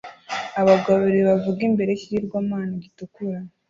Abagabo babiri bavuga imbere yikigirwamana gitukura